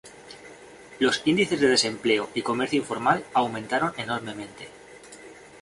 Los índices de desempleo y comercio informal aumentaron enormemente.